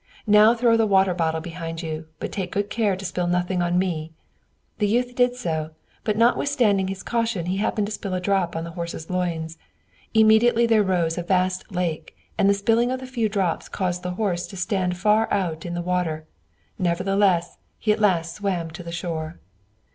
"Now throw the water bottle behind you, but take good care to spill nothing on me!" The youth did so, but notwithstanding his caution he happened to spill a drop on the horse's loins. Immediately there rose a vast lake, and the spilling of the few drops caused the horse to stand far out in the water; nevertheless, he at last swam to the shore.